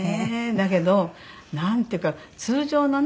だけどなんていうか通常のね